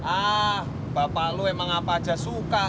ah bapak lu emang apa aja suka